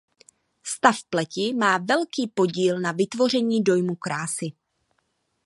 Stav pleti má velký podíl na vytvoření dojmu krásy.